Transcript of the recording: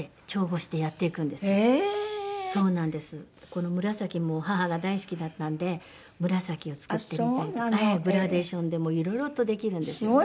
この紫も母が大好きだったので紫を作ってみたりとかグラデーションでもういろいろとできるんですよね。